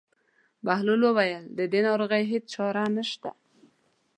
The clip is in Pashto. بهلول وویل: د دې ناروغۍ هېڅ چاره نشته.